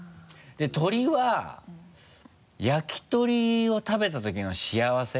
で鶏は焼き鳥を食べたときの幸せ。